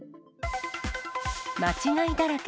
間違いだらけ！